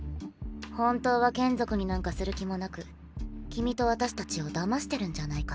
本当は眷属になんかする気もなく君と私たちをだましてるんじゃないかってさ。